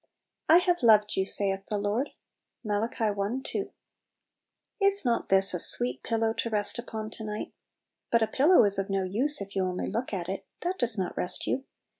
• I have loved you, saith the Lord." — Mai* i 2 IS not this a sweet pillow to rest upon to night? But a pillow is of no use if you only look at it; that does not rest you.